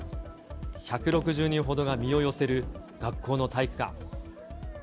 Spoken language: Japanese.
１６０人ほどが身を寄せる学校の体育館。